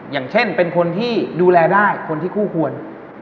อย่างเช่นเป็นคนที่ดูแลได้คนที่คู่ควร